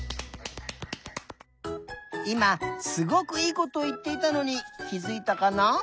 いますごくいいことをいっていたのにきづいたかな？